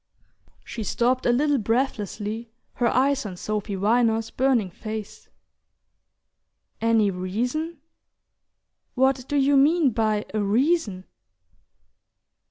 She stopped a little breathlessly, her eyes on Sophy Viner's burning face. "Any reason ? What do you mean by a reason?"